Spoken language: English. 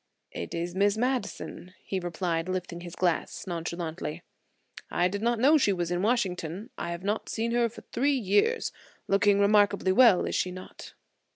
"It is Miss Madison," he replied, lifting his glass nonchalantly. "I did not know she was in Washington. I have not seen her for three years. Looking remarkably well, is she not?"